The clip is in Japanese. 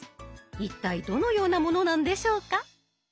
一体どのようなものなんでしょうか。